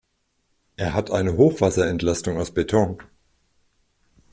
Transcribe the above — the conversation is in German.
Er hat eine Hochwasserentlastung aus Beton.